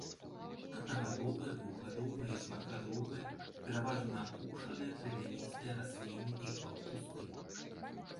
Аднагадовыя, двухгадовыя і шматгадовыя, пераважна апушаныя травяністыя расліны і паўкусты.